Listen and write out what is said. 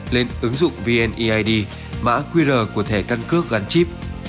lên ứng dụng vneid mã qr của thẻ căn cước gắn chip